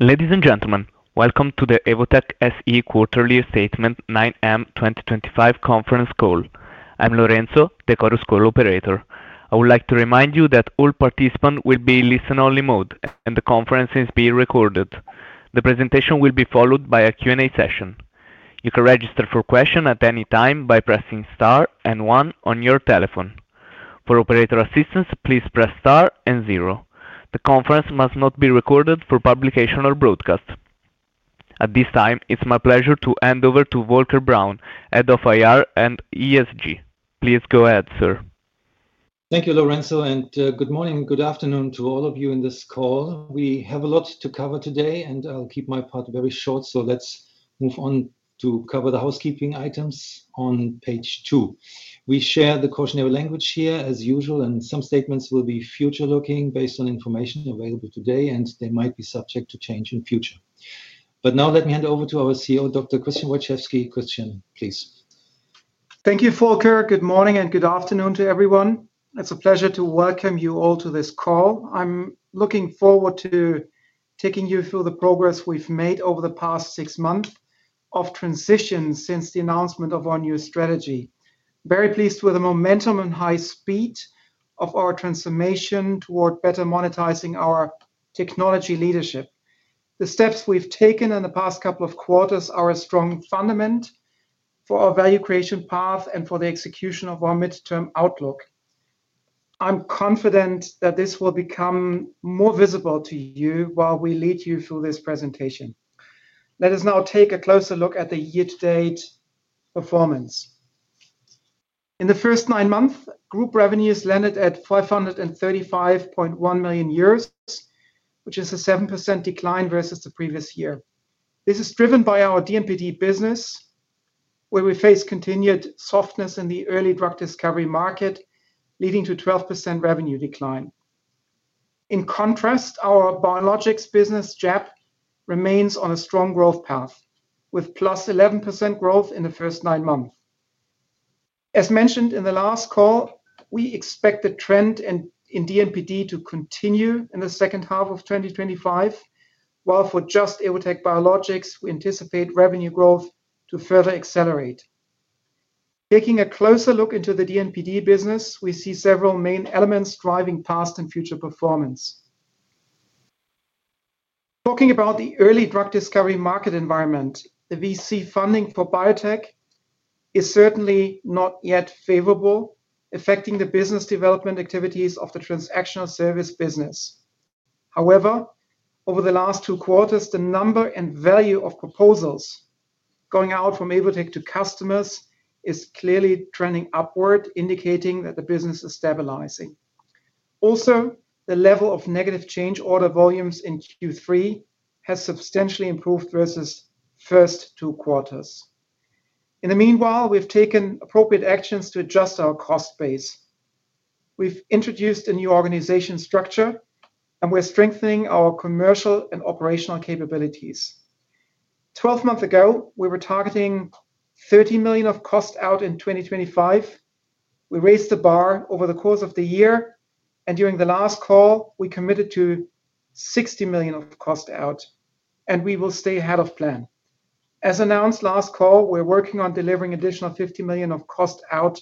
Ladies and gentlemen, welcome to the Evotec SE quarterly statement 9M 2025 Conference Call. I'm Lorenzo Tecorus, call operator. I would like to remind you that all participants will be in listen only mode and the conference is being recorded. The presentation will be followed by a Q and A session. You can register for questions at any time by pressing STAR and 1 on your telephone. For operator assistance, please press STAR and 0. The conference must not be recorded for publication or broadcast at this time. It's my pleasure to hand over to Volker Braun, Head of IR and ESG. Please go ahead, sir. Thank you, Lorenzo, and good morning. Good afternoon to all of you in this call. We have a lot to cover today and I'll keep my part very short, so let's move on to cover the housekeeping items on page two. We share the cautionary language here as. As usual, some statements will be future looking based on information available today and they might be subject to change in future. Now let me hand over to our CEO, Dr. Christian Wojczewski. Christian, please. Thank you, Volker. Good morning and good afternoon to everyone. It's a pleasure to welcome you all to this call. I'm looking forward to taking you through the progress we've made over the past six months of transition since the announcement of our new strategy. Very pleased with the momentum and high speed of our transformation toward better monetizing our technology leadership. The steps we've taken in the past couple of quarters are a strong fundament for our value creation path and for the execution of our midterm outlook. I'm confident that this will become more visible to you while we lead you through this presentation. Let us now take a closer look at the year to date performance. In the first nine months, group revenues landed at 535.1 million euros, which is a 7% decline versus the previous year. This is driven by our DNPD business where we face continued softness in the early drug discovery market leading to 12% revenue decline. In contrast, our biologics business, JAP, remains on a strong growth path with plus 11% growth in the first nine months. As mentioned in the last call, we expect the trend in DNPD to continue in the second half of 2025, while for Just - Evotec Biologics, we anticipate revenue growth to further accelerate. Taking a closer look into the DNPD business, we see several main elements driving past and future performance. Talking about the early drug discovery market environment, the VC funding for biotech is certainly not yet favorable, affecting the business development activities of the transactional service business. However, over the last two quarters, the number and value of proposals going out from Evotec to customers is clearly trending upward, indicating that the business is stabilizing. Also, the level of negative change order volumes in Q3 has substantially improved versus the first two quarters of Q4. In the meanwhile, we've taken appropriate actions to adjust our cost base. We've introduced a new organization structure and we're strengthening our commercial and operational capabilities. Twelve months ago we were targeting 30 million of cost out. In 2025 we raised the bar. Over the course of the year and during the last call we committed to 60 million of cost out and we will stay ahead of plan. As announced last call, we're working on delivering an additional 50 million of cost out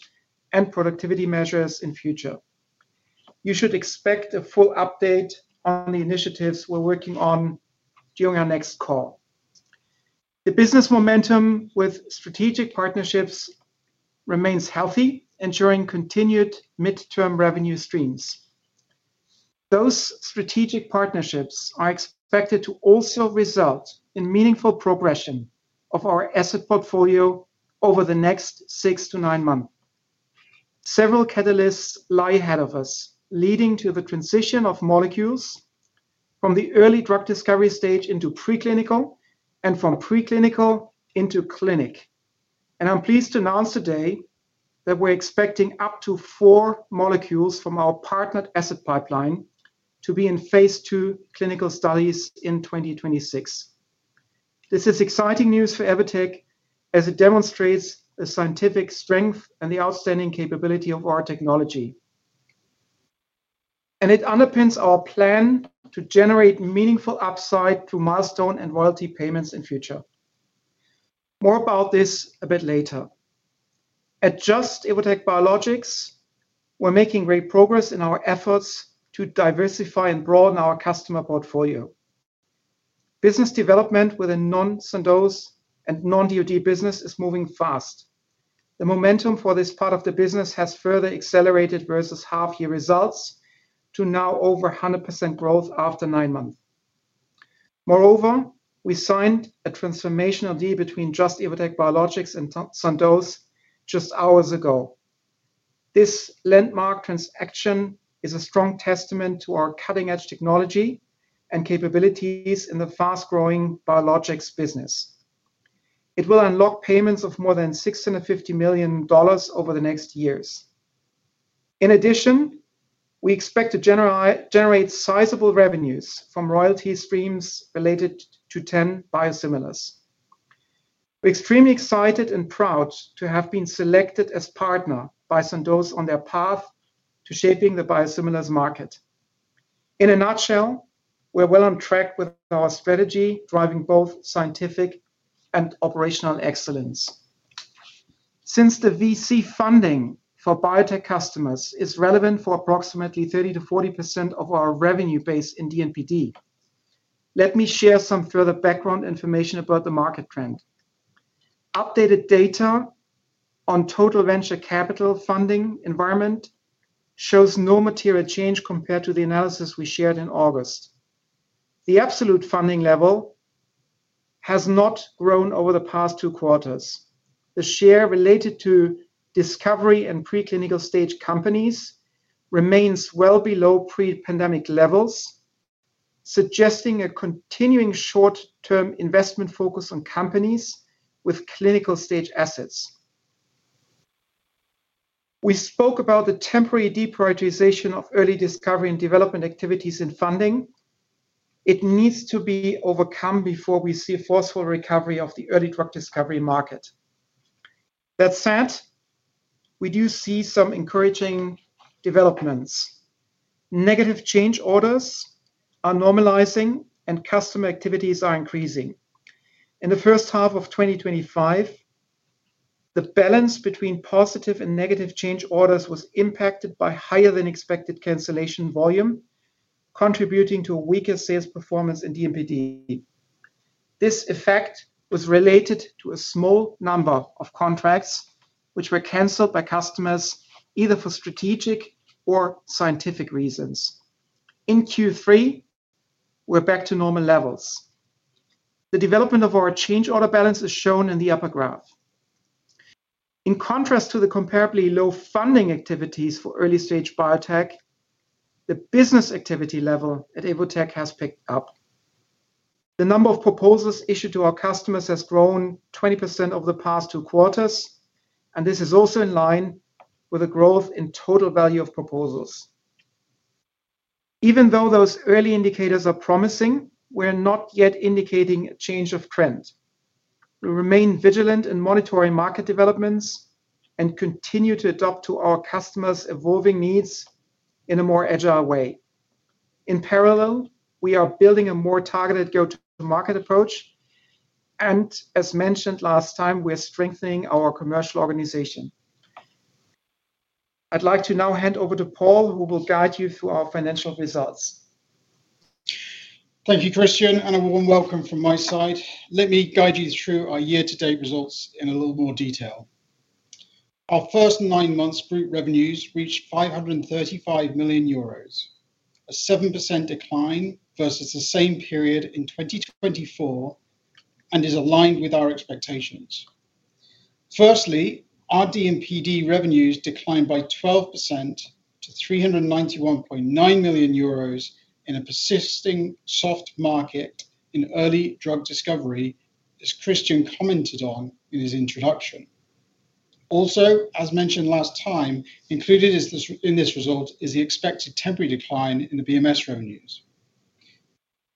and productivity measures in future. You should expect a full update on the initiatives we're working on during our next call. The business momentum with strategic partnerships remains healthy, ensuring continued mid term revenue streams. Those strategic partnerships are expected to also result in meaningful progression of our asset portfolio over the next six to nine months. Several catalysts lie ahead of us leading to the transition of molecules from the early drug discovery stage into preclinical and from preclinical into clinic and I'm pleased to announce today that we're expecting up to four molecules from our partnered asset pipeline to be in phase two clinical studies in 2026. This is exciting news for Evotec as it demonstrates the scientific strength and the outstanding capability of our technology and it underpins our plan to generate meaningful upside to milestone and royalty payments in future. More about this a bit later at Just - Evotec Biologics. We're making great progress in our efforts to diversify and broaden our customer portfolio. Business development within non-Sandoz and non-DOD business is moving fast. The momentum for this part of the business has further accelerated versus half year results to now over 100% growth after nine months. Moreover, we signed a transformational deal between Just - Evotec Biologics and Sandoz just hours ago. This landmark transaction is a strong testament to our cutting edge technology and capabilities in the fast growing biologics business. It will unlock payments of more than $650 million over the next years. In addition, we expect to generate sizable revenues from royalty streams related to 10 biosimilars. We're extremely excited and proud to have been selected as partner by Sandoz on their path to shaping the biosimilars market. In a nutshell, we're well on track with our strategy driving both scientific and operational excellence. Since the VC funding for biotech customers is relevant for approximately 30-40% of our revenue base in DNPD. Let me share some further background information about the market trend. Updated data on total venture capital funding environment shows no material change compared to the analysis we shared in August. The absolute funding level has not grown over the past two quarters. The share related to discovery and preclinical stage companies remains well below pre-pandemic levels, suggesting a continuing short-term investment focus on companies with clinical stage assets. We spoke about the temporary deprioritization of early discovery and development activities and funding. It needs to be overcome before we see a forceful recovery of the early drug discovery market. That said, we do see some encouraging developments. Negative change orders are normalizing and customer activities are increasing. In the first half of 2025 the balance between positive and negative change orders was impacted by higher than expected cancellation volume contributing to weaker sales performance. In DNPD, this effect was related to a small number of contracts which were cancelled by customers either for strategic or scientific reasons. In Q3 we're back to normal levels. The development of our change order balance is shown in the upper graph. In contrast to the comparably low funding activities for early stage biotech, the business activity level at Evotec has picked up. The number of proposals issued to our customers has grown 20% over the past two quarters and this is also in line with the growth in total value of proposals. Even though those early indicators are promising, we're not yet indicating a change of trend. We remain vigilant in monitoring market developments and continue to adapt to our customers' evolving needs in a more agile way. In parallel we are building a more targeted go to market approach and as mentioned last time, we're strengthening our commercial organization. I'd like to now hand over to Paul who will guide you through our financial results. Thank you Christian and a warm welcome from my side. Let me guide you through our year to date results in a little more detail. Our first nine months group revenues reached 535 million euros, a 7% decline versus the same period in 2024 and is aligned with our expectations. Firstly, our DNPD revenues declined by 12% to 391.9 million euros in a persisting soft market in early drug discovery and as Christian commented on in his introduction, also as mentioned last time, included in this result is the expected temporary decline in the BMS revenues.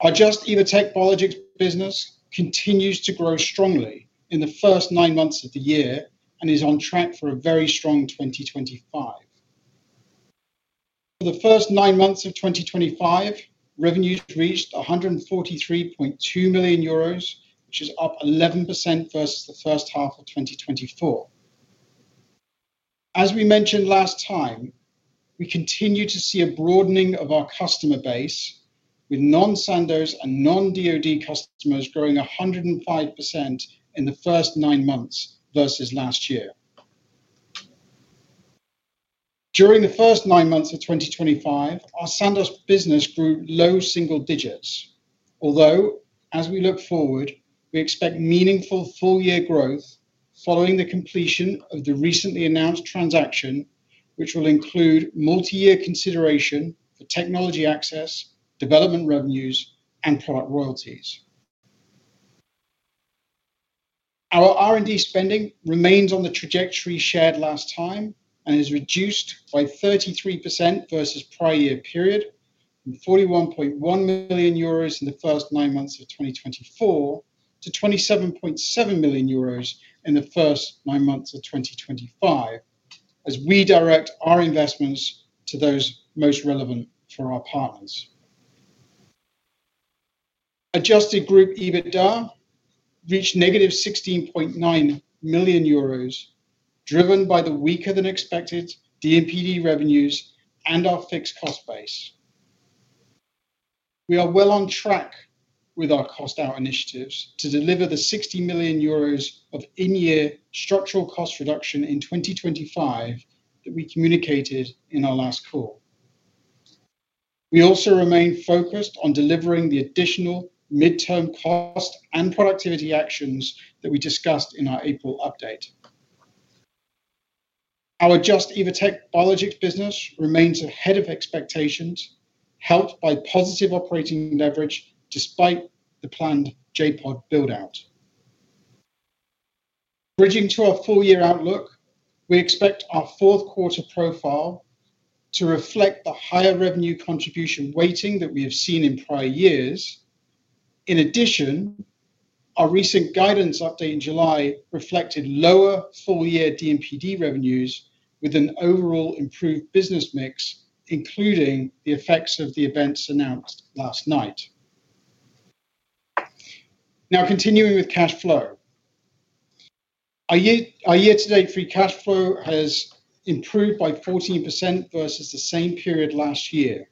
Our Just - Evotec Biologics business continues to grow strongly in the first nine months of the year and is on track for a very strong 2025. For the first nine months of 2025 revenues reached 143.2 million euros which is up 11% versus the first half of 2024. As we mentioned last time, we continue to see a broadening of our customer base with non-Sandoz and non-DOD customers growing 105% in the first nine months versus last year. During the first nine months of 2025, our Sandoz business grew low single digits, although as we look forward, we expect meaningful full year growth following the completion of the recently announced transaction, which will include multi-year consideration for technology access, development revenues, and product royalties. Our R&D spending remains on the trajectory shared last time and is reduced by 33% versus prior year period, 41.1 million euros in the first nine months of 2024 to 27.7 million euros in the first nine months of 2025. As we direct our investments to those most relevant for our partners, adjusted group EBITDA reached negative 16.9 million euros driven by the weaker than expected DMPD revenues and our fixed cost base. We are well on track with our cost out initiatives to deliver the 60 million euros of in year structural cost reduction in 2025 that we communicated in our last call. We also remain focused on delivering the additional midterm cost and productivity actions that we discussed in our April update. Our Just - Evotec Biologics business remains ahead of expectations helped by positive operating leverage despite the planned JPOD buildout bridging to our full year outlook. We expect our fourth quarter profile to reflect the higher revenue contribution weighting that we have seen in prior years. In addition, our recent guidance update in July reflected lower full year DMPD revenues with an overall improved business mix including the effects of the events announced last night. Now continuing with cash flow, our year to date free cash flow has improved by 14% versus the same period last year.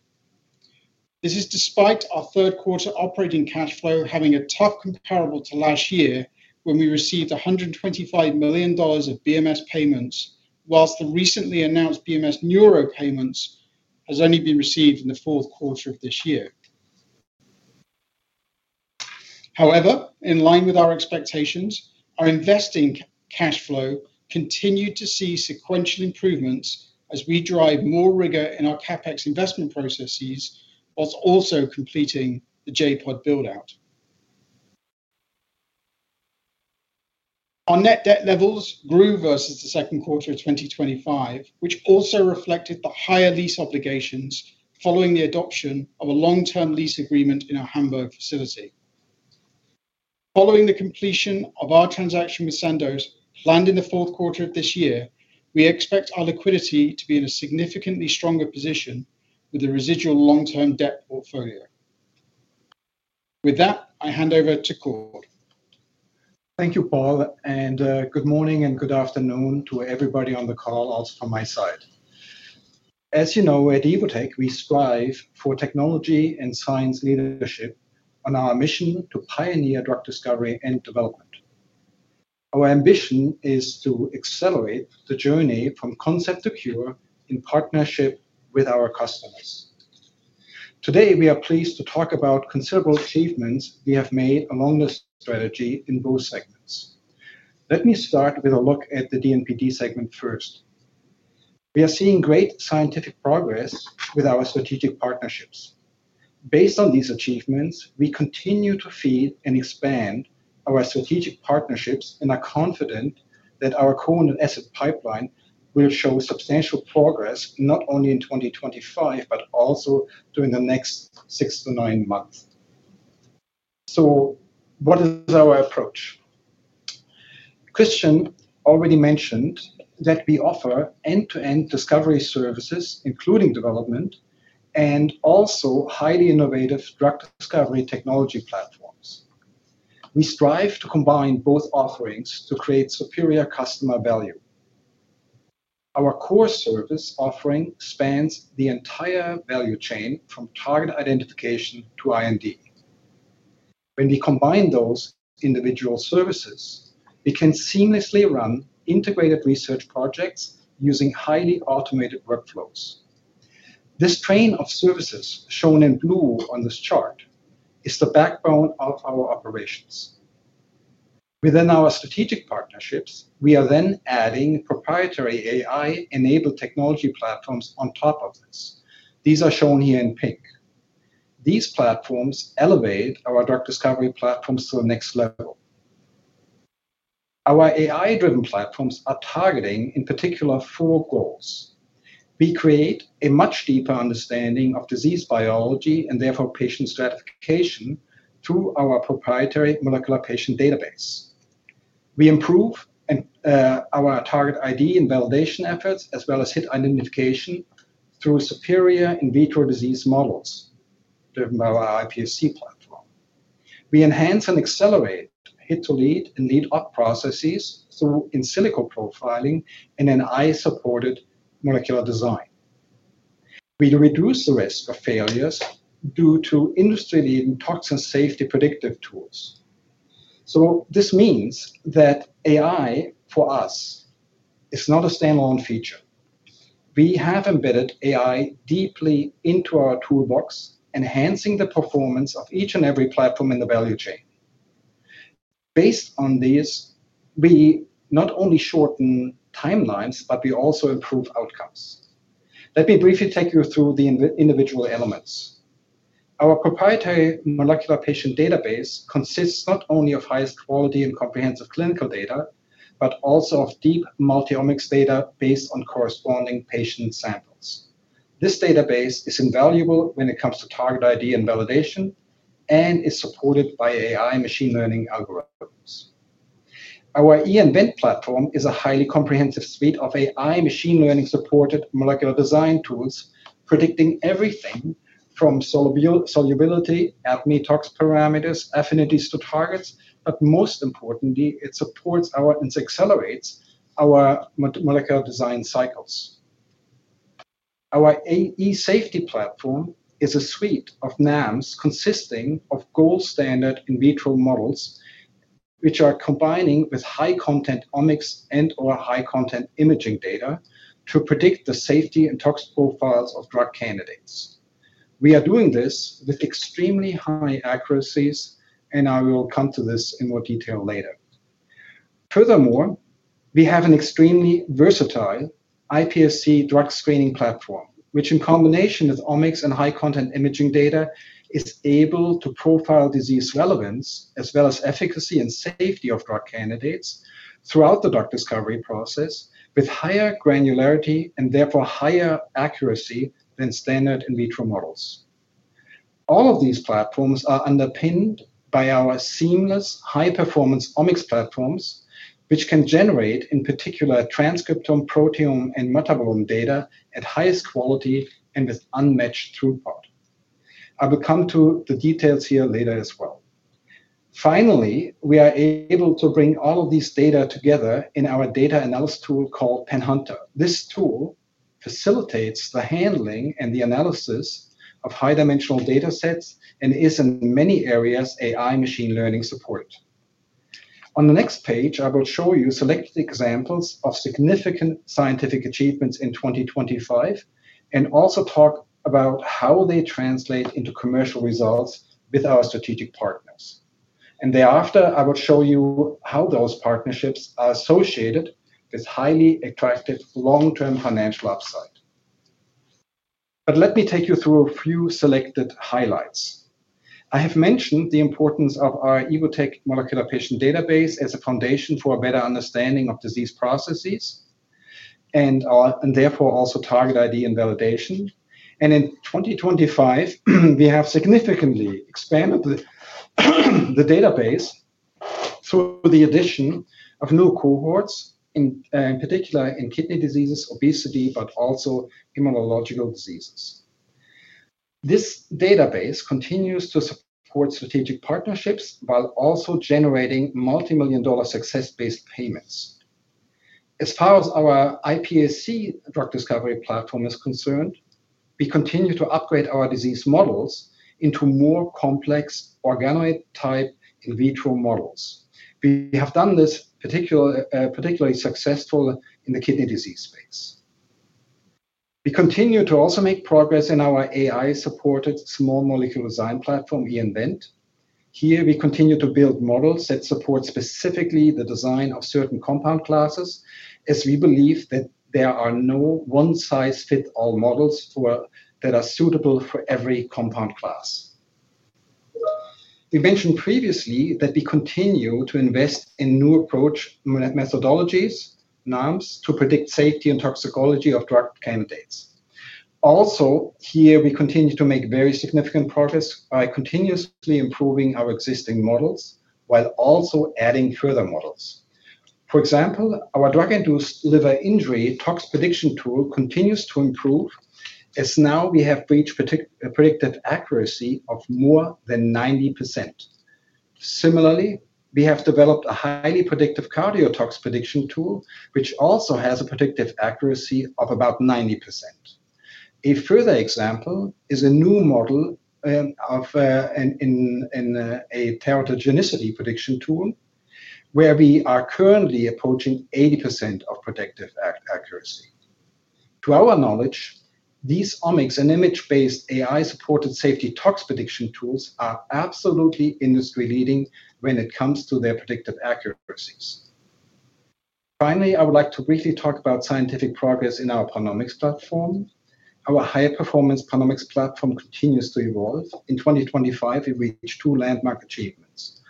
This is despite our third quarter operating cash flow having a tough comparable to last year when we received $125 million of BMS payments whilst the recently announced BMS neuro payments has only been received in the fourth quarter of this year. However, in line with our expectations, our investing cash flow continued to see sequential improvements as we drive more rigor in our CapEx investment processes whilst also completing the JPOD build out. Our net debt levels grew versus the second quarter of 2025 which also reflected the higher lease obligations following the adoption of a long term lease agreement in our Hamburg facility. Following the completion of our transaction with Sandoz planned in the fourth quarter of this year, we expect our liquidity to be in a significantly stronger position with the residual long term debt portfolio. With that I hand over to Cord. Thank you, Paul, and good morning and good afternoon to everybody on the call also from my side. As you know, at Evotec we strive for technology and science leadership on our mission to pioneer drug discovery and development. Our ambition is to accelerate the journey from concept to cure in partnership with our customers. Today we are pleased to talk about considerable achievements we have made along this strategy in both segments. Let me start with a look at the DNPD segment first. We are seeing great scientific progress with our strategic partnerships. Based on these achievements, we continue to feed and expand our strategic partnerships and are confident that our co-owned and asset pipeline will show substantial progress not only in 2025 but also during the next six to nine months. What is our approach? Christian already mentioned that we offer end-to-end discovery services including development and also highly innovative drug discovery technology platforms. We strive to combine both offerings to create superior customer value. Our core service offering spans the entire value chain from target identification to IND. When we combine those individual services, we can seamlessly run integrated research projects using highly automated workflows. This train of services shown in blue on this chart is the backbone of our operations within our strategic partnerships. We are then adding proprietary AI-enabled technology platforms on top of this. These are shown here in pink. These platforms elevate our drug discovery platforms to the next level. Our AI-driven platforms are targeting in particular four goals. We create a much deeper understanding of disease biology and therefore patient stratification through our proprietary molecular patient database. We improve our target ID and validation efforts as well as HIT identification through superior in vitro disease models driven by our iPSC platform. We enhance and accelerate HIT to lead and lead OP processes in silico profiling and AI supported molecular design. We reduce the risk of failures due to industry leading toxin safety predictive tools. This means that AI for us is not a standalone feature. We have embedded AI deeply into our toolbox, enhancing the performance of each and every platform in the value chain. Based on this, we not only shorten timelines but we also improve outcomes. Let me briefly take you through the individual elements. Our proprietary molecular patient database consists not only of highest quality and comprehensive clinical data but also of deep multi-omics data based on corresponding patient samples. This database is invaluable when it comes to target ID and validation and is supported by AI machine learning algorithms. Our Envent platform is a highly comprehensive suite of AI machine learning supported molecular design tools predicting everything from solubility, ADME, tox parameters, affinities to targets, but most importantly it supports our and accelerates our molecular design cycles. Our AE safety platform is a suite of NAMs consisting of gold standard in vitro models which are combining with high content omics and or high content imaging data to predict the safety and tox profiles of drug candidates. We are doing this with extremely high accuracies and I will come to this in more detail later. Furthermore, we have an extremely versatile iPSC drug screening platform which in combination with omics and high content imaging data is able to profile disease relevance as well as efficacy and safety of drug candidates throughout the drug discovery process with higher granularity and therefore higher accuracy than standard in vitro models. All of these platforms are underpinned by our seamless high performance omics platforms which can generate in particular transcriptome, proteome and metabolome data at highest quality and with unmatched throughput. I will come to the details here later as well. Finally, we are able to bring all of these data together in our data analysis tool called PanHunter. This tool facilitates the handling and the analysis of high dimensional data sets and is in many areas AI machine learning support. On the next page I will show you selected examples of significant scientific achievements in 2025 and also talk about how they translate into commercial results with our strategic partners. Thereafter I will show you how those partnerships are associated with highly attractive long term financial upside. Let me take you through a few selected highlights. I have mentioned the importance of our Evotec molecular patient database as a foundation for a better understanding of disease processes and therefore also target ID and validation, and in 2025 we have significantly expanded the database through the addition of new cohorts, in particular in kidney diseases, obesity, but also immunological diseases. This database continues to support strategic partnerships while also generating multimillion dollar success based payments. As far as our iPSC drug discovery platform is concerned, we continue to upgrade our disease models into more complex organoid type in vitro models. We have done this particularly successfully in the kidney disease space. We continue to also make progress in our AI supported small molecule design platform Envent. Here we continue to build models that support specifically the design of certain compound classes as we believe that there are no one size fits all models that are suitable for every compound class. We mentioned previously that we continue to invest in new approach methodologies to predict safety and toxicology of drug candidates. Also here we continue to make very significant progress by continuously improving our existing models while also adding further models. For example, our drug induced liver injury tox prediction tool continues to improve as now we have reached a predictive accuracy of more than 90%. Similarly, we have developed a highly predictive cardio tox prediction tool which also has a predictive accuracy of about 90%. A further example is a new model in a teratogenicity prediction tool where we are currently approaching 80% of predictive accuracy. To our knowledge, these omics and image-based AI-supported safety tox prediction tools are absolutely industry leading when it comes to their predictive accuracies. Finally, I would like to briefly talk about scientific progress in our panomics platform. Our high-performance panomics platform continues to evolve. In 2025 we reached two landmark achievements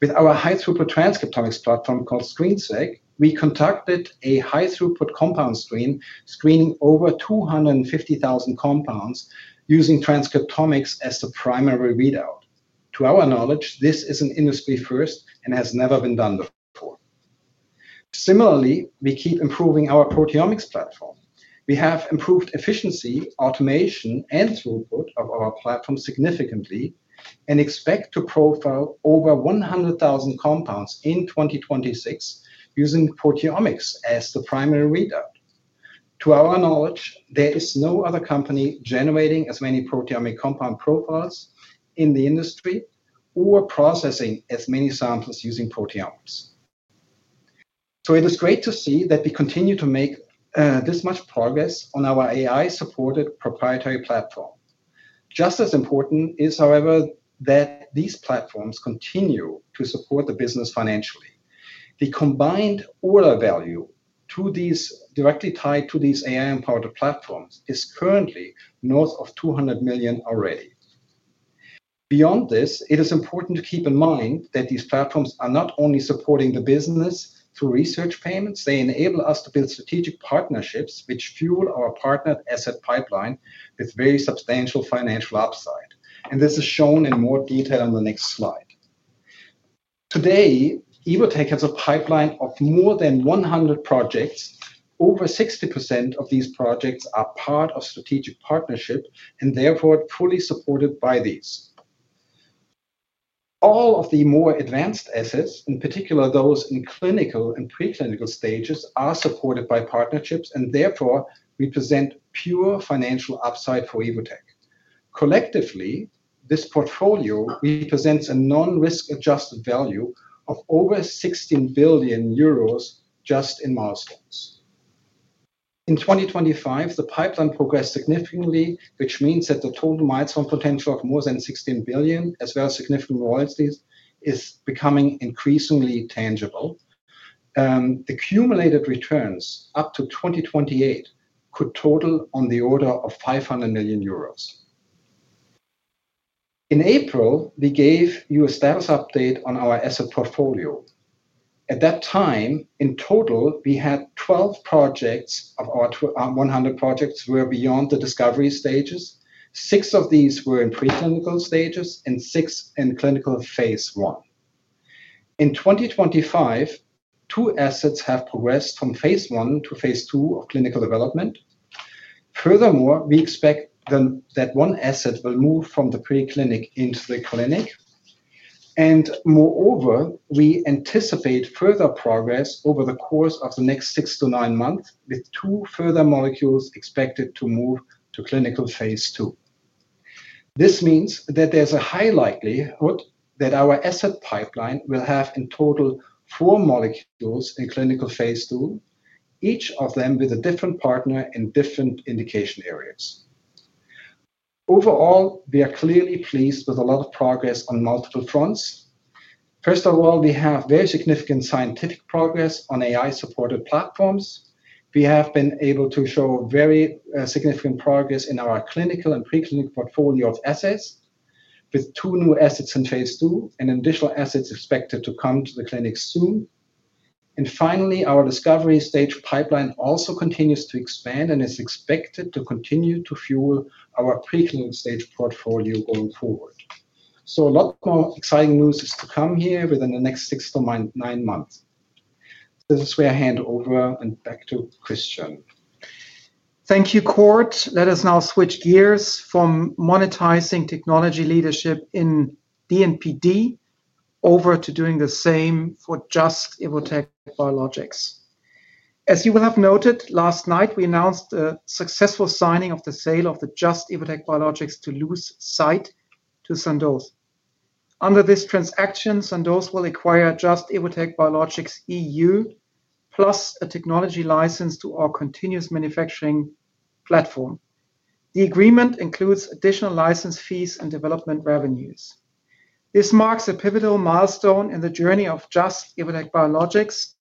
with our high-throughput transcriptomics platform called ScreenSeq. We conducted a high-throughput compound screen, screening over 250,000 compounds using transcriptomics as the primary readout. To our knowledge this is an industry first and has never been done before. Similarly, we keep improving our proteomics platform. We have improved efficiency, automation, and throughput of our platform significantly and expect to profile over 100,000 compounds in 2026 using proteomics as the primary readout. To our knowledge, there is no other company generating as many proteomics compound profiles in the industry or processing as many samples using proteomics. It is great to see that we continue to make this much progress on our AI-supported proprietary platform. Just as important is, however, that these platforms continue to support the business financially. The combined order value directly tied to these AI-enabled platforms is currently north of 200 million already. Beyond this it is important to keep in mind that these platforms are not only supporting the business but through research payments they enable us to build strategic partnerships which fuel our partnered asset pipeline with very substantial financial upside and this is shown in more detail on the next slide. Today Evotec has a pipeline of more than 100 projects. Over 60% of these projects are part of strategic partnership and therefore fully supported by these. All of the more advanced assets, in particular those in clinical and preclinical stages, are supported by partnerships and therefore represent pure financial upside for Evotec. Collectively this portfolio represents a non risk adjusted value of over 16 billion euros just in milestones. In 2025 the pipeline progressed significantly which means that the total milestone potential of more than 16 billion as well as significant royalties is becoming increasingly tangible. Accumulated returns up to 2028 could total on the order of 500 million euros. In April we gave you a status update on our asset portfolio at that time. In total we had 12 projects of our 100 projects were beyond the discovery stages. Six of these were in preclinical stages and six in clinical phase I. In 2025, two assets have progressed from phase I to phase II of clinical development. Furthermore, we expect that one asset will move from the preclinical into the clinical and moreover we anticipate further progress over the course of the next six to nine months with two further molecules expected to move to clinical phase II. This means that there is a high likelihood that our asset pipeline will have in total four molecules in clinical phase II, each of them with a different partner in different indication areas. Overall, we are clearly pleased with a lot of progress on multiple fronts. First of all, we have very significant scientific progress on AI-supported platforms. We have been able to show very significant progress in our clinical and preclinical portfolio of assays with two new assets in phase two and additional assets expected to come to the clinic soon. Finally, our discovery stage pipeline also continues to expand and is expected to continue to fuel our preclinical stage portfolio going forward. A lot more exciting news is to come here within the next six to nine months. This is where I hand over and back to Christian. Thank you Cord. Let us now switch gears from monetizing technology leadership in DNPD over to doing the same for Just - Evotec Biologics. As you will have noted, last night we announced the successful signing of the sale of the Just - Evotec Biologics Toulouse site to Sandoz. Under this transaction, Sandoz will acquire Just - Evotec Biologics Toulouse EU plus a technology license to our Continuous Manufacturing Platform. The agreement includes additional license fees and development revenues. This marks a pivotal milestone in the journey of Just - Evotec Biologics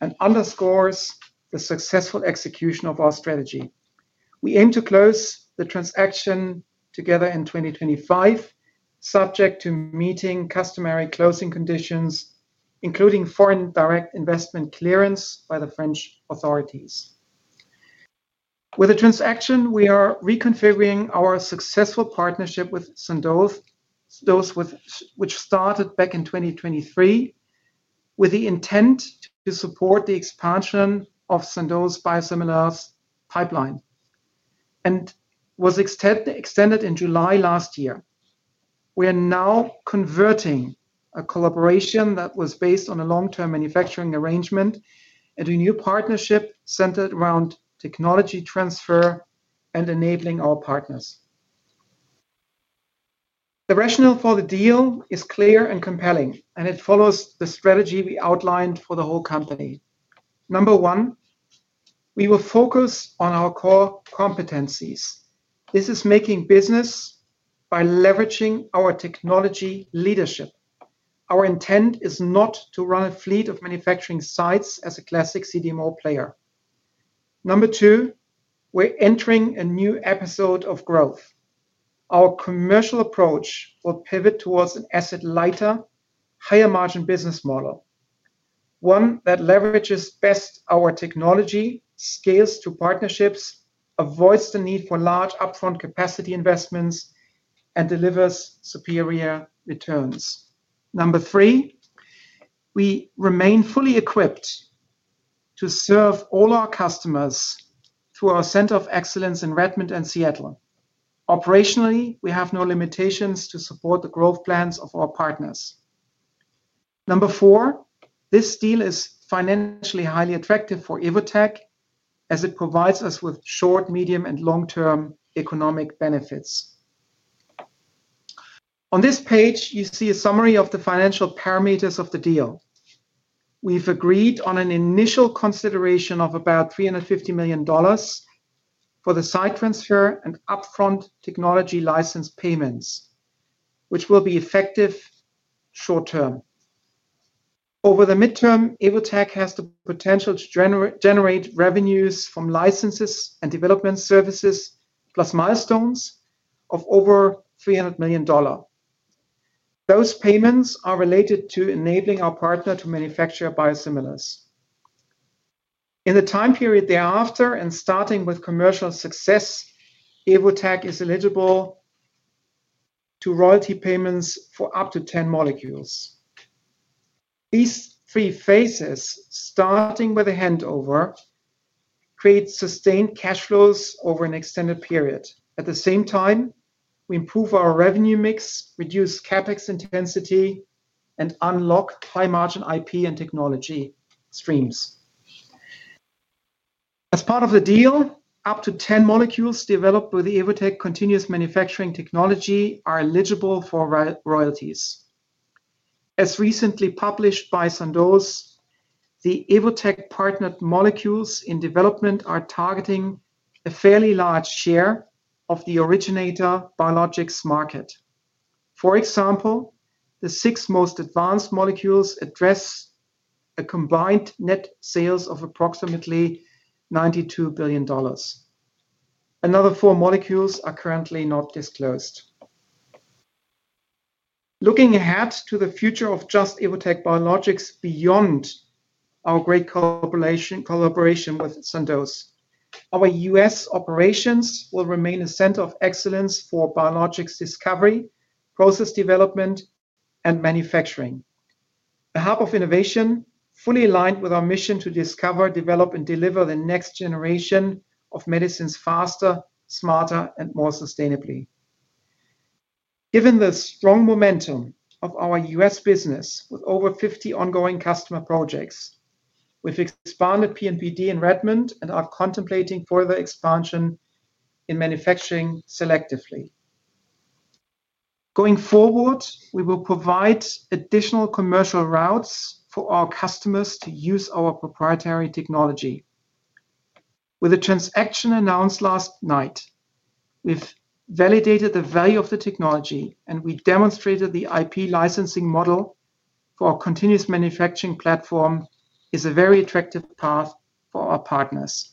and underscores the successful execution of our strategy. We aim to close the transaction together in 2025 subject to meeting customary closing conditions including foreign direct investment clearance by the French authorities. With the transaction, we are reconfiguring our successful partnership with Sandoz, which started back in 2023 with the intent to support the expansion of Sandoz Biosimilars pipeline and was extended in July last year. We are now converting a collaboration that was based on a long term manufacturing arrangement and a new partnership centered around technology transfer and enabling our partners. The rationale for the deal is clear and compelling and it follows the strategy we outlined for the whole company. Number one, we will focus on our core competencies. This is making business by leveraging our technology leadership. Our intent is not to run a fleet of manufacturing sites as a classic CDMO player. Number two. We're entering a new episode of growth. Our commercial approach will pivot towards an asset lighter, higher margin business model, one that leverages best. Our technology scales to partnerships, avoids the need for large upfront capacity investments and delivers superior returns. Number three, we remain fully equipped to serve all our customers through our center of excellence in Redmond and Seattle. Operationally, we have no limitations to support the growth plans of our partners. Number four, this deal is financially highly attractive for Evotec as it provides us with short, medium and long term economic benefits. On this page you see a summary of the financial parameters of the deal. We've agreed on an initial consideration of about $350 million for the site transfer and upfront technology license payments which will be effective short term. Over the midterm, Evotec has the potential to generate revenues from licenses and development services plus milestones of over $300 million. Those payments are related to enabling our partner to manufacture biosimilars in the time period thereafter and starting with commercial success. Evotec is eligible to royalty payments for up to 10 molecules. These three phases, starting with a handover, create sustained cash flows over an extended period. At the same time, we improve our revenue mix, reduce CapEx intensity, and unlock high margin IP and technology streams. As part of the deal, up to 10 molecules developed with the Evotec continuous manufacturing technology are eligible for royalties. As recently published by Sandoz, the Evotec-partnered molecules in development are targeting a fairly large share of the originator biologics market. For example, the six most advanced molecules address a combined net sales of approximately $92 billion. Another four molecules are currently not disclosed. Looking ahead to the future of Just - Evotec Biologics, beyond our great collaboration with Sandoz, our US operations will remain a center of excellence for biologics discovery, process development, and manufacturing. A hub of innovation fully aligned with our mission to discover, develop, and deliver the next generation of medicines faster, smarter, and more sustainably. Given the strong momentum of our US business, with over 50 ongoing customer projects, we've expanded DNPD in Redmond and are contemplating further expansion manufacturing selectively. Going forward, we will provide additional commercial routes for our customers to use our proprietary technology. With a transaction announced last night, we've validated the value of the technology and we demonstrated the IP licensing model for Continuous Manufacturing Platform is a very attractive path for our partners.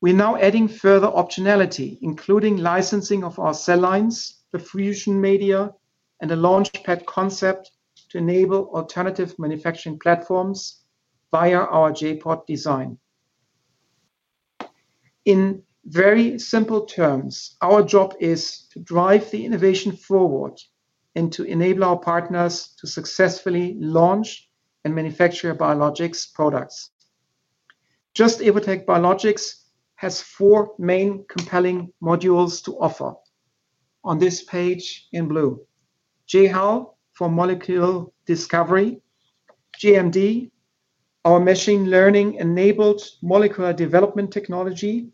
We're now adding further optionality including licensing of our cell lines, the fusion media, and the Launchpad concept to enable alternative manufacturing platforms via our JPOD design. In very simple terms, our job is to drive the innovation forward and to enable our partners to successfully launch and manufacture biologics products. Just - Evotec Biologics has four main compelling modules to offer on this page in blue: J.HAL for molecule discovery, GMD, our machine learning enabled molecular development technology,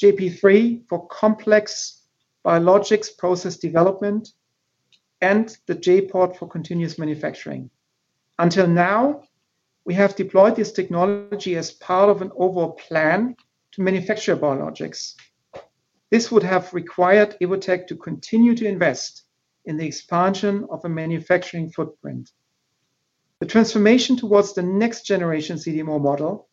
JP3 for complex biologics process development, and the JPORT for continuous manufacturing. Until now we have deployed this technology as part of an overall plan to manufacture biologics. This would have required Evotec to continue to invest in the expansion of a manufacturing footprint. The transformation towards the next generation CDMO model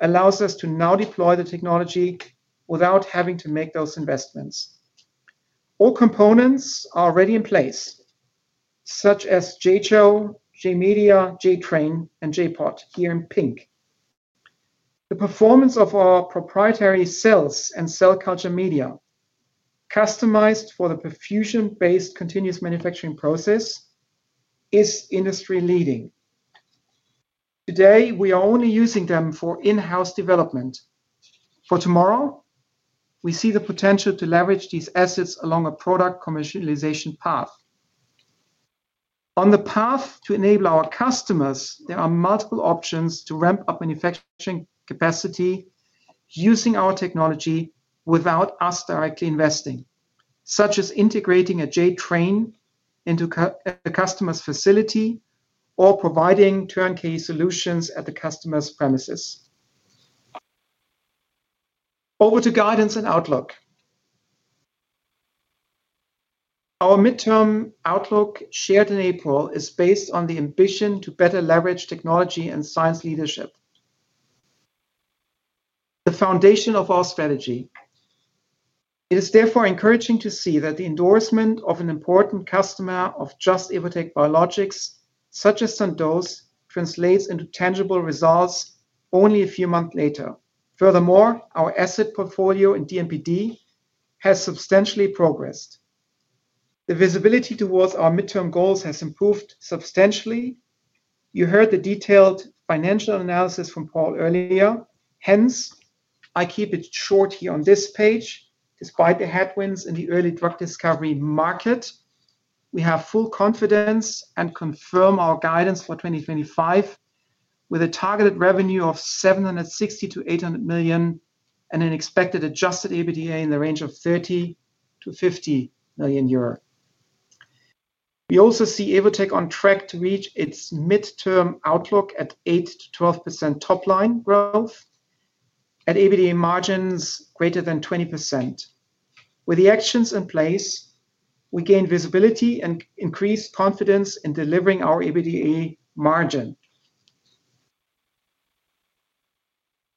allows us to now deploy the technology without having to make those investments. All components are already in place such as JCHO, J.Media, J.TRAIN, and JPOD here in pink. The performance of our proprietary cells and cell culture media customized for the perfusion-based continuous manufacturing process is industry leading. Today we are only using them for in-house development. For tomorrow we see the potential to leverage these assets along a product commercialization path. On the path to enable our customers there are multiple options to ramp up manufacturing capacity using our technology without us directly investing, such as integrating a J.TRAIN into a customer's facility or providing turnkey solutions at the customer's premises. Over to guidance and outlook. Our midterm outlook shared in April is based on the ambition to better leverage technology and science leadership, the foundation of our strategy. It is therefore encouraging to see that the endorsement of an important customer of Just - Evotec Biologics such as Sandoz translates into tangible results only a few months later. Furthermore, our asset portfolio in DNPD has substantially progressed. The visibility towards our midterm goals has improved substantially. You heard the detailed financial analysis from Paul earlier, hence I keep it short here on this page. Despite the headwinds in the early drug discovery market, we have full confidence and confirm our guidance for 2025 with a targeted revenue of 760 million-800 million and an expected adjusted EBITDA in the range of 30 million-50 million euro. We also see Evotec on track to reach its midterm outlook at 8%-12% top line growth at EBITDA margins greater than 20%. With the actions in place, we gain visibility and increased confidence in delivering our EBITDA margin.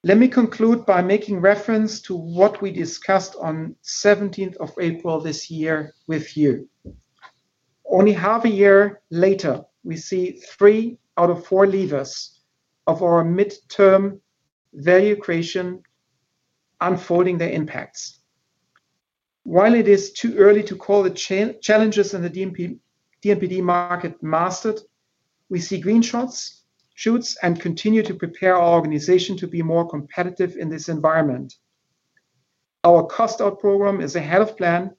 Let me conclude by making reference to what we discussed on 17th of April this year with you. Only half a year later, we see three out of four levers of our midterm value creation unfolding their impacts. While it is too early to call the challenges in the DNPD market mastered, we see green shoots and continue to prepare our organization to be more competitive in this environment. Our cost out program is ahead of plan.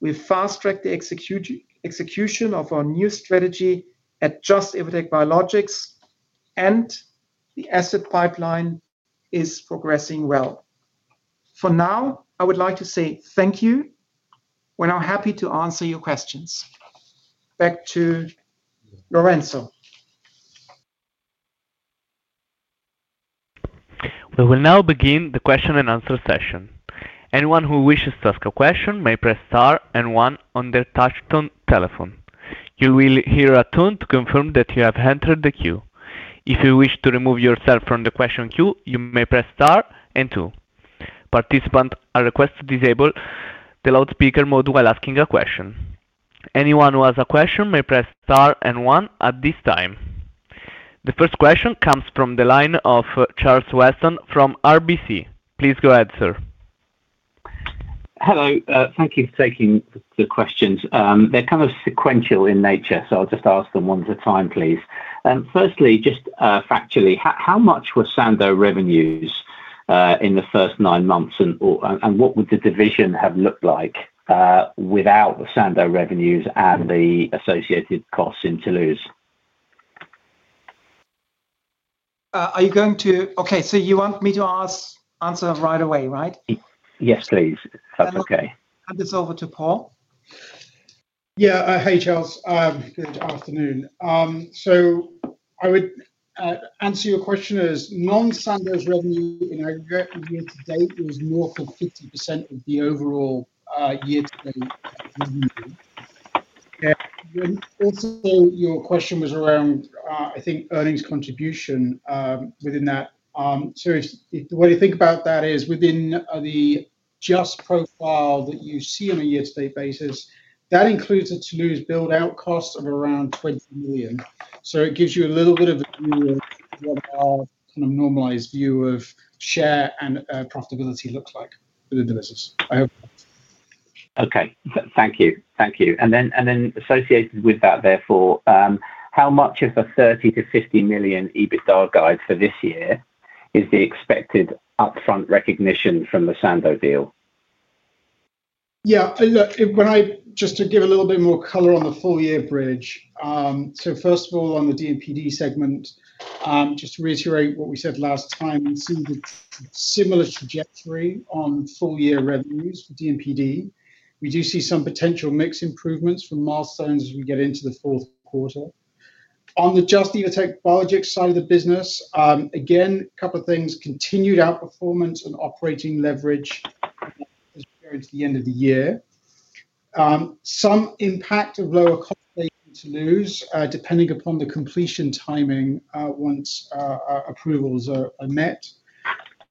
We fast tracked the execution of our new strategy at Just - Evotec Biologics and the asset pipeline is progressing well for now. I would like to say thank you. We're now happy to answer your questions back to Lorenzo. We will now begin the question and answer session. Anyone who wishes to ask a question may press star and one on their touchtone. You will hear a tone to confirm that you have entered the queue. If you wish to remove yourself from the question queue, you may press star and two. Participants are requested to disable the loudspeaker mode while asking a question. Anyone who has a question may press star and one at this time. The first question comes from the line of Charles Weston from RBC. Please go ahead, sir. Hello. Thank you for taking the questions. They're kind of sequential in nature, so I'll just ask them one at a time, please. Firstly, just factually, how much were Sandoz revenues in the first nine months and what would the division have looked like without the Sandoz revenues and the associated costs in Toulouse? Are you going to? Okay, so you want me to answer right away, right? Yes, please. That's okay. Hand this over to Paul. Yeah. Hey Charles. Good afternoon. I would answer your question as none. Sandoz revenue in aggregate year to date was north of 50% of the overall year to date. Also your question was around, I think, earnings contribution within that. The way to think about that is within the just profile that you see on a year to date basis, that includes a Toulouse build out cost of around 20 million. It gives you a little bit. Of what our kind of normalized view. Of share and profitability looks like within the business. Okay, thank you. Thank you. And then associated with that, therefore how much of a 30-50 million EBITDA guide for this year is the expected upfront recognition from the Sandoz deal? Yeah, just to give a little bit more color on the full year bridge. First of all on the DNPD segment, just to reiterate what we said last time, we see similar trajectory on full year revenues for DNPD. We do see some potential mix improvements from milestones as we get into the fourth quarter. On the Just - Evotec Biologics side of the business, again a couple of things. Continued outperformance and operating leverage as we go into the end of the year. Some impact of lower cost to Toulouse depending upon the completion timing once approvals are met.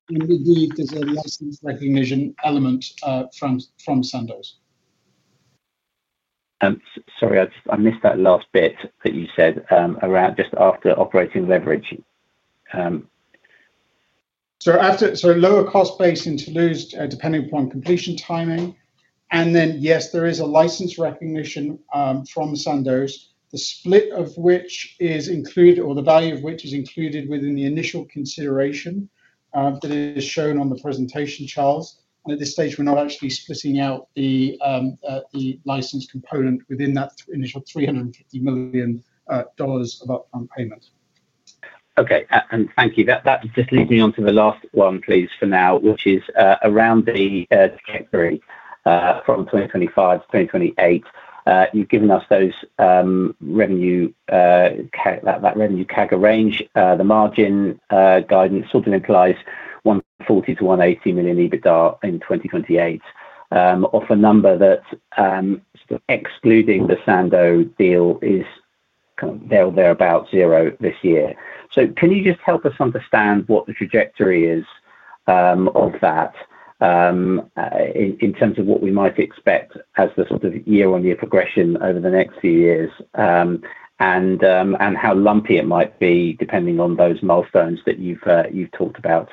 Indeed, there's a license recognition element from Sandoz. Sorry, I missed that last bit that you said around just after operating leverage. After, lower cost base in Toulouse, depending upon completion timing. Yes, there is a license recognition from Sandoz, the split of which is included or the value of which is included within the initial consideration that is shown on the presentation. Charles, at this stage we are not actually splitting out the license component within that initial $350 million of upfront payment. Okay. Thank you. That just leads me on to the last one please, for now, which is around the third. From 2025 to 2028, you've given us those revenue. That revenue CAGR guidance sort of implies 140 million-180 million EBITDA in 2028 of a number that, excluding the Sandoz deal, is there about zero this year. Can you just help us understand what the trajectory is of that in terms of what we might expect as the sort of year-on-year progression over the next few years and how lumpy it might be depending on those milestones that you've talked about?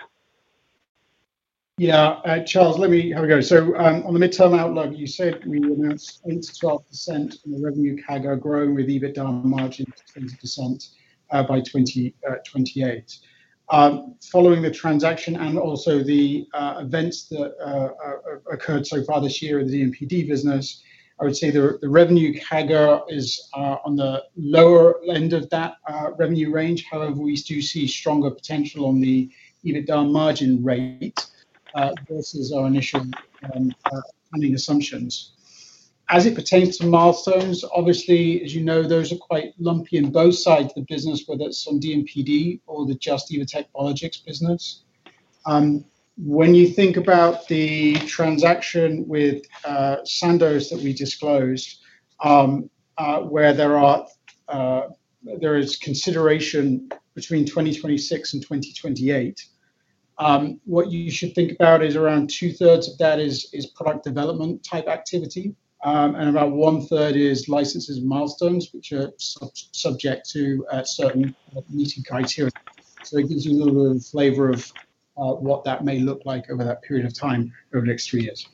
Yeah, Charles, let me have a go. On the midterm outlook, you said we announced 8-12% revenue CAGRing with EBITDA margins by 2028 following the transaction. Also, the events that occurred so far this year, the DNPD business, I would say the revenue CAGR is on the lower end of that revenue range. However, we do see stronger potential on the EBITDA margin rate versus our initial planning assumptions as it pertains to milestones. Obviously, as you know, those are quite lumpy in both sides of the business, whether it is on DNPD or the Just - Evotec Biologics business. When you think about the transaction with Sandoz that we disclosed, where there is consideration between 2026 and 2028, what you should think about is around two-thirds of that is product development type activity and about one third is licenses and milestones which are subject to certain meeting criteria. It gives you a little flavor of what that may look like over that period of time over the next three years.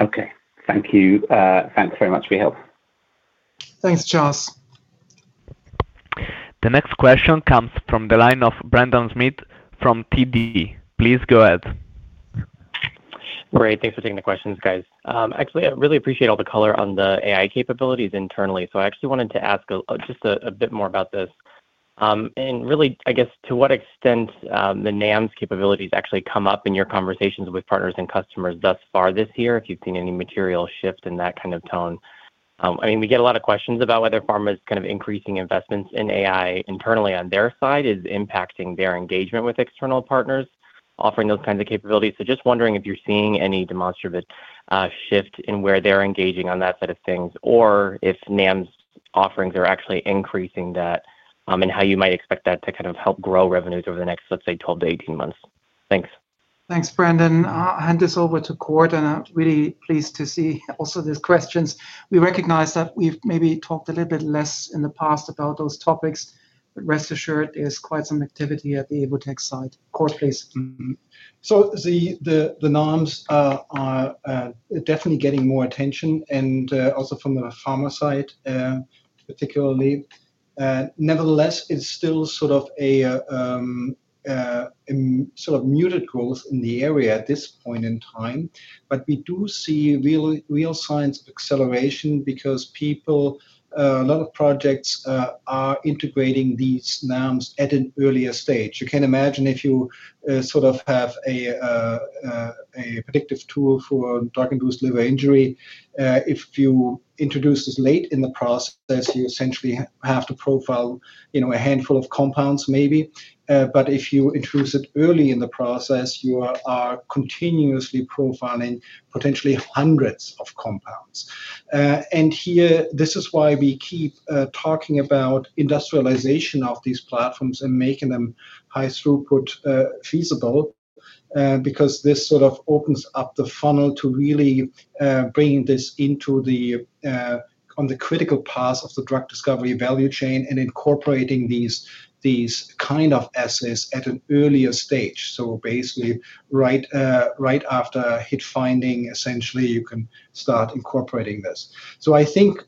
Okay, thank you. Thanks very much for your help. Thanks, Charles. The next question comes from the line of Brendan Smith from TD. Please go ahead. Great. Thanks for taking the questions, guys. Actually, I really appreciate all the color on the AI capabilities internally. I actually wanted to ask just a bit more about this and really I guess to what extent the NAMs capabilities actually come up in your conversations with partners and customers thus far this year. If you've seen any material shift in that kind of tone? I mean, we get a lot of questions about whether pharma is kind of increasing investments in AI internally on their side, is impacting their engagement with external partners offering those kinds of capabilities. Just wondering if you're seeing any demonstrative shift in where they're engaging on that side of things or if NAMs offerings are actually increasing that and how you might expect that to kind of help grow revenues over the next, let's say 12 to 18 months. Thanks. Thanks, Brendan. Hand this over to Cord. I am really pleased to see also these questions. We recognize that we have maybe talked a little bit less in the past about those topics, but rest assured there is quite some activity at the Evotec site. Cord, please. The NAMs are definitely getting more attention and also from the pharma side particularly. Nevertheless, it's still sort of a. Sort. Of muted growth in the area at this point in time, but we do see real signs of acceleration because people, a lot of projects are integrating these NAMs at an earlier stage. You can imagine if you sort of have a predictive tool for drug-induced liver injury, if you introduce this late in the process, you essentially have to profile a handful of compounds maybe. If you introduce it early in the process, you are continuously profiling potentially hundreds of compounds. Here, this is why we keep talking about industrialization of these platforms and making them high throughput feasible because this sort of opens up the funnel to really bringing this into the on the critical path of the drug discovery value chain and incorporating these kind of assays at an earlier stage. Basically right after hit finding, essentially you can start incorporating this. I think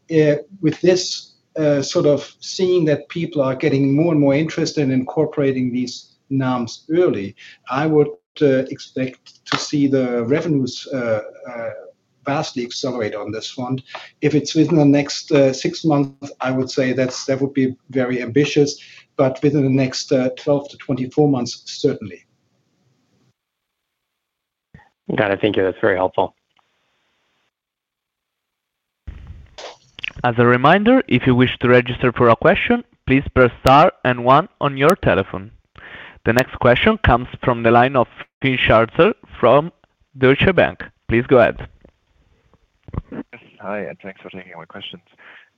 with this sort of seeing that people are getting more and more interested in incorporating these NAMs early, I would expect to see the revenues vastly accelerate on this front. If it is within the next six months, I would say that would be very ambitious. But within the next 12-24 months, certainly. Got it. Thank you, that's very helpful. As a reminder, if you wish to register for a question, please press star and one on your telephone. The next question comes from the line of Finn Scharzer from Deutsche Bank. Please go ahead. Hi and thanks for taking my questions.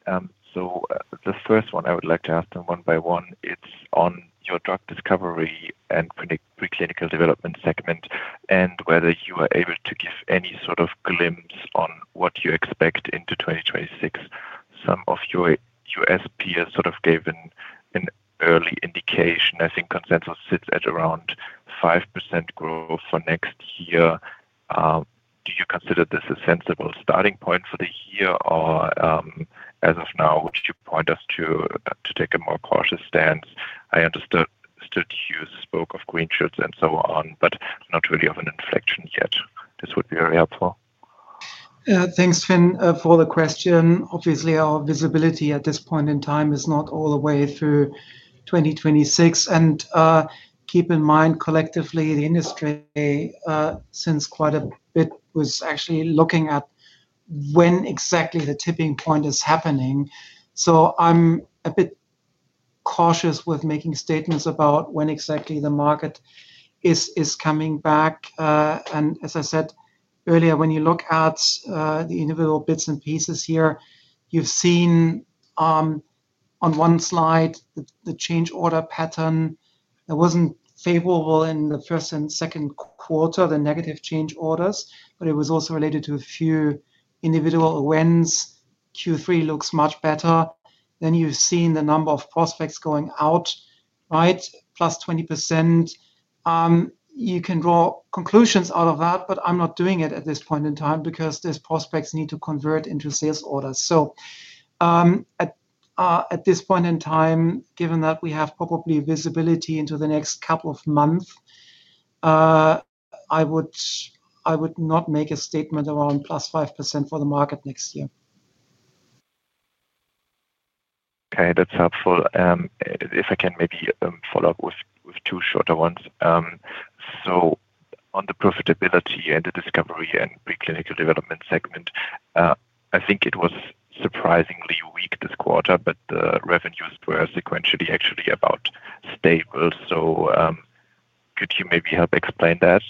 The first one I would like to ask them one by one, it's on your drug discovery and preclinical development segment and whether you are able to give any sort of glimpse on what you expect into 2026. Some of your US peers sort of gave an early indication, I think Consensus sits at around 5% growth for next year. Do you consider this a sensible starting point for the year? As of now, would you point us to take a more cautious stance? I understood you spoke of green shirts and so on, but not really of an inflection yet. This would be very helpful. Thanks Finn for the question. Obviously our visibility at this point in time is not all the way through 2026 and keep in mind collectively the industry since quite a bit was actually looking at when exactly the tipping point is happening. I am a bit cautious with making statements about when exactly the market is coming back. As I said earlier, when you look at the individual bits and pieces here, you have seen on one slide the change order pattern that was not favorable in the first and second quarter, the negative change orders, but it was also related to a few individual wins. Q3 looks much better. You have seen the number of prospects going out, right? Plus 20%. You can draw conclusions out of that, but I am not doing it at this point in time because these prospects need to convert into sales orders. So. At this point in time, given that we have probably visibility into the next couple of months, I would not make a statement around plus 5% for the market next year. Okay, that's helpful. If I can maybe follow up with two shorter ones. On the profitability and the discovery and preclinical development segment, I think it was surprisingly weak this quarter, but the revenues were sequentially actually about stable. Could you maybe help explain that?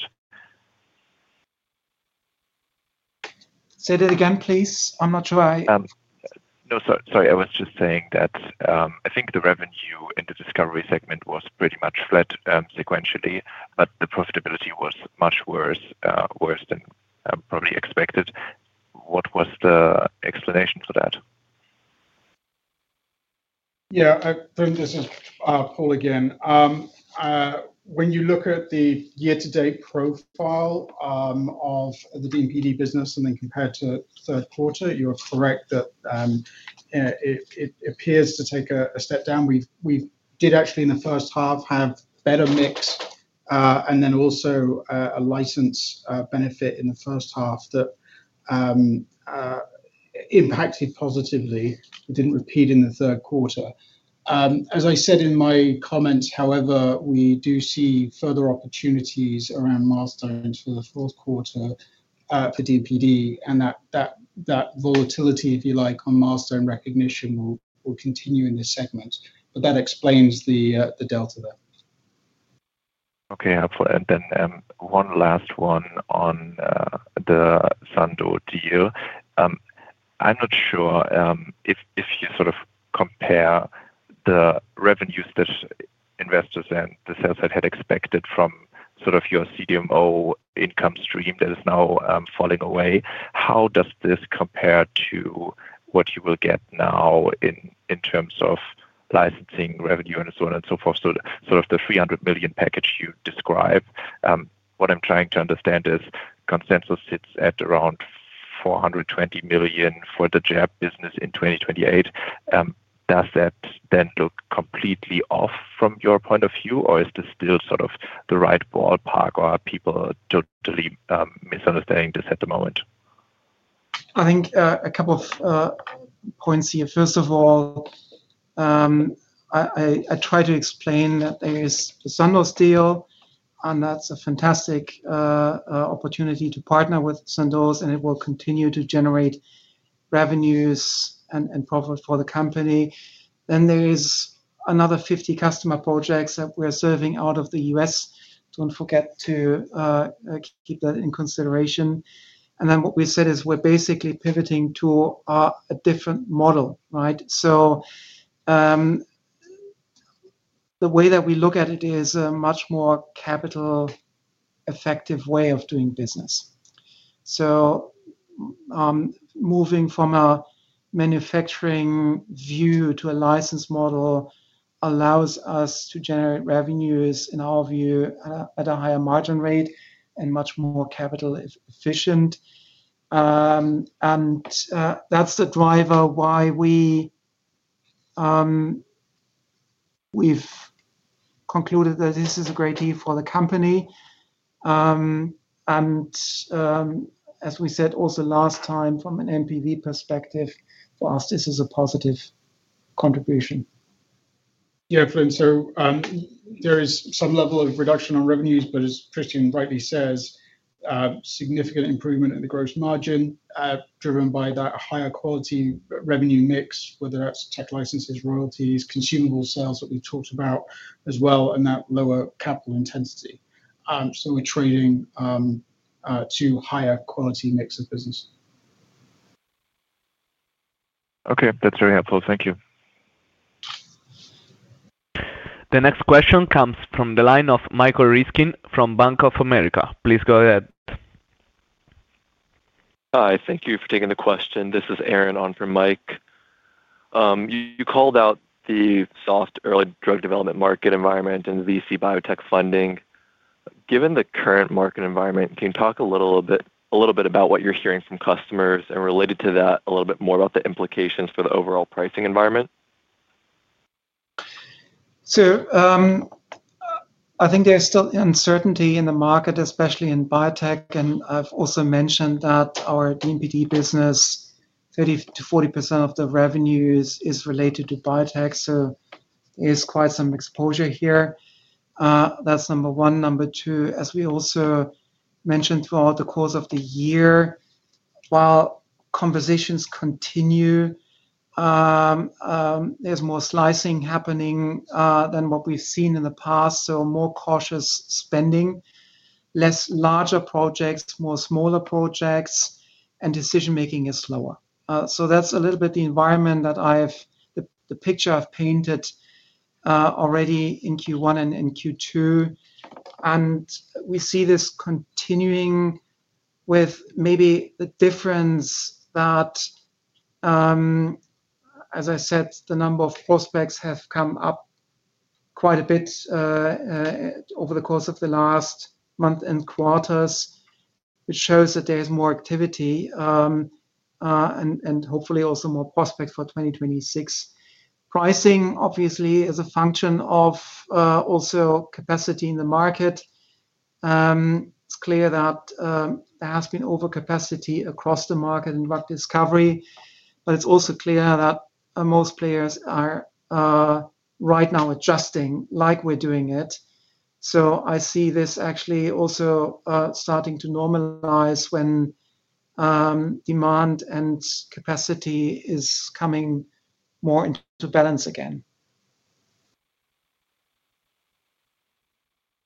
Say that again please. I'm not sure I. No, sorry, I was just saying that I think the revenue in the discovery segment was pretty much flat sequentially, but the profitability was much worse. Worse than probably expected. What was the explanation for that? Yeah, this is Paul again. When you look at the year to date profile of the DNPD business and then compared to third quarter you are correct that it appears to take a step down. We did actually in the first half have better mix and then also a license benefit in the first half that impacted positively. It did not repeat in the third quarter as I said in my comments. However, we do see further opportunities around milestones for the fourth quarter for DNPD and that volatility if you like on milestone recognition will continue in this segment. That explains the delta there. Okay, and then one last one on the Sandoz deal, I'm not sure if you sort of compare the revenues that investors and the sales side had expected from sort of your CDMO income stream that is now falling away. How does this compare to what you will get now in terms of licensing revenue and so on and so forth? The 300 million package you describe, what I'm trying to understand is consensus sits at around 420 million for the JPOD business in 2028. Does that then look completely off from your point of view or is this still sort of the right ballpark or are people totally misunderstanding this at the moment? I think a couple of points here. First of all, I try to explain that there is the Sandoz deal and that's a fantastic opportunity to partner with Sandoz and it will continue to generate revenues and profit for the company. There is another 50 customer projects that we are serving out of the U.S. Do not forget to keep that in consideration. What we said is we're basically pivoting to a different model, right? The way that we look at it is a much more capital effective way of doing business. Moving from a manufacturing view to a license model allows us to generate revenues in our view at a higher margin rate and much more capital efficient. That's the driver why we've concluded that this is a great deal for the company, and as we said also last time, from an NPV perspective for us, this is a positive contribution. Yeah, Flynn. There is some level of reduction on revenues, but as Christian rightly says, significant improvement in the gross margin driven by that higher quality revenue mix, whether that's tech licenses, royalties, consumable sales that we talked about as well, and that lower capital intensity. We are trading to higher quality mix of business. Okay, that's very helpful, thank you. The next question comes from the line of Michael Ryskin from Bank of America. Please go ahead. Hi, thank you for taking the question. This is Aaron on for Mic. You called out the soft early drug development market environment and VC biotech funding. Given the current market environment, can you. Talk a little bit about what you're. Hearing from customers and related to that, a little bit more about the implications for the overall pricing environment. I think there's still uncertainty in the market, especially in biotech. I've also mentioned that our DNPD business, 30%-40% of the revenues is related to biotech. There's quite some exposure here. That's number one. Number two, as we also mentioned throughout the course of the year, while conversations continue, there's more slicing happening than what we've seen in the past. More cautious spending, less larger projects, more smaller projects, and decision making is slower. That's a little bit the environment that I have. The picture I've painted already in Q1 and in Q2, and we see this continuing with maybe the difference that. As. I said, the number of prospects have come up quite a bit over the course of the last month and quarters, which shows that there is more activity and hopefully also more prospects for 2026 pricing, obviously as a function of also capacity in the market. It is clear that there has been overcapacity across the market in drug discovery, but it is also clear that most players are right now adjusting like we are doing it. I see this actually also starting to normalize when demand and capacity is coming more into balance. Again.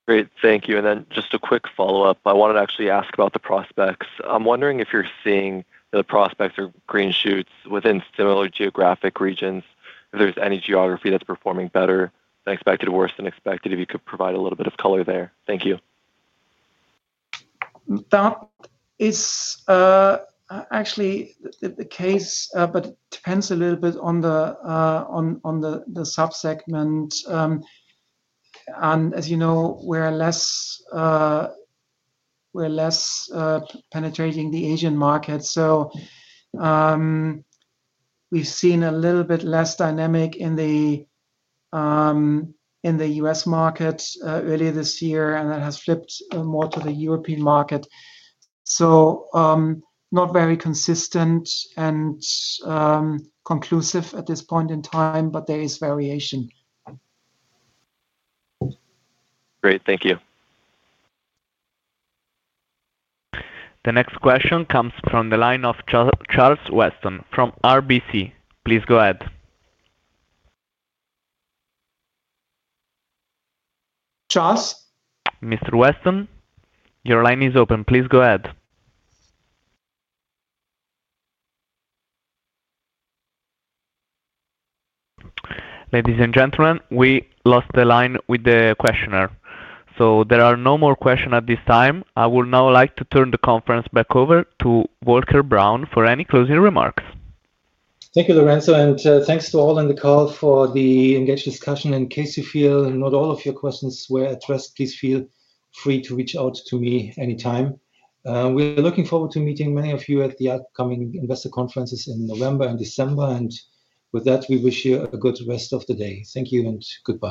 Great, thank you. Just a quick follow up. I wanted to actually ask about the prospects. I'm wondering if you're seeing the prospects or green shoots within similar geographic regions. If there's any geography that's performing better than expected, worse than expected. If you could provide a little bit of color there. Thank you. That is actually the case, but depends a little bit on the sub segment. As you know, we're less penetrating the Asian market. We've seen a little bit less dynamic in the US market earlier this year and that has flipped more to the European market. Not very consistent and conclusive at this point in time, but there is variation. Great, thank you. The next question comes from the line of Charles Weston from RBC. Please go ahead. Charles. Mr. Weston, your line is open. Please go ahead. Ladies and gentlemen, we lost the line with the questioner, so there are no more questions at this time. I would now like to turn the conference back over to Volker Braun for any closing remarks. Thank you, Lorenzo, and thanks to all in the comments. Carl, for the engaged discussion. In case you feel not all of. Your questions were addressed. Please feel free to reach out to me anytime. We're looking forward to meeting many of you. You at the upcoming investor conferences in November and December. With that, we wish you a good rest of the day. Thank you and goodbye.